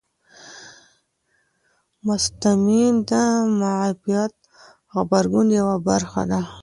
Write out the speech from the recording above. هسټامین د معافیت غبرګون یوه برخه ده.